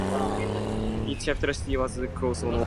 Its capital city was Krosno.